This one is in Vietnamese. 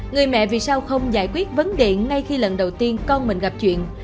người mẹ vì sao không giải quyết vấn đề ngay khi lần đầu tiên con mình gặp chuyện